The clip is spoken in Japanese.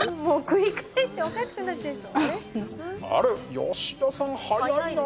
吉田さん早いな。